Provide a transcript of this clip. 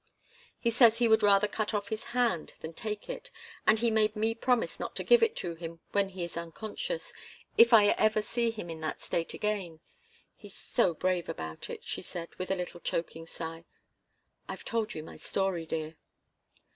He says he would rather cut off his hand than take it, and he made me promise not to give it to him when he is unconscious, if I ever see him in that state again. He's so brave about it," she said, with a little choking sigh. "I've told you my story, dear."